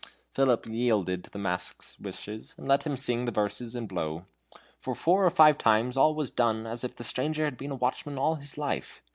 Philip yielded to the mask's wishes, and let him sing the verses and blow. For four or five times all was done as if the stranger had been a watchman all his life.